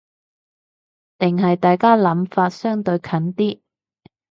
定係大家諗法相對近啲